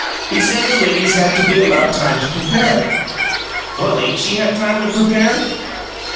He said the ladies had to be allowed time to prepare." "Well, ain't she had time to prepare?"